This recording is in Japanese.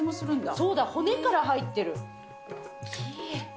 そうだ、骨から入ってる。